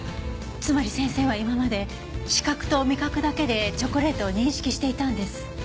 つまり先生は今まで視覚と味覚だけでチョコレートを認識していたんです。